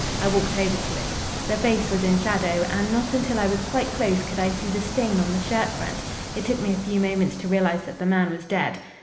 I walked over to it. The face was in shadow, and not until I was quite close could I see the stain on the shirt front. It took me a few moments to realise that the man was dead.